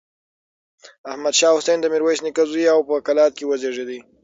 احمد شاه حسين د ميرويس نيکه زوی و او په کلات کې وزېږېد.